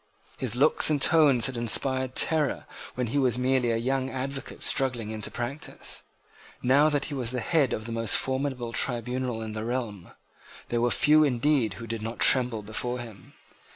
His looks and tones had inspired terror when he was merely a young advocate struggling into practice. Now that he was at the head of the most formidable tribunal in the realm, there were few indeed who did not tremble before him.